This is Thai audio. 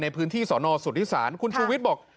ในพื้นที่สอนอสุทธิศาลคุณชูวิทย์บอก